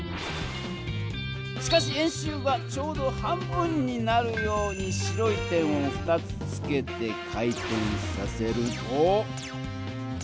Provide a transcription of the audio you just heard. しかし円周はちょうど半分になるように白い点を２つつけて回転させると。